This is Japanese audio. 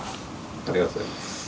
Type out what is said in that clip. ありがとうございます。